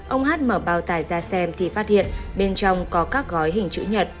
ông hát mở bao tài ra xem thì phát hiện bên trong có các gói hình chữ nhật